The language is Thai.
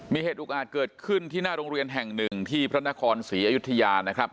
มีเหตุอุกอาจเกิดขึ้นที่หน้าโรงเรียนแห่งหนึ่งที่พระนครศรีอยุธยานะครับ